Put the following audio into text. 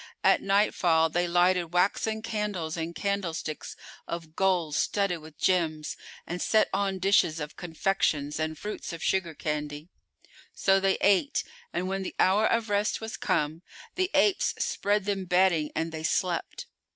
At nightfall they lighted waxen candles in candlesticks of gold studded with gems and set on dishes of confections and fruits of sugar candy. So they ate; and when the hour of rest was come, the apes spread them bedding and they slept.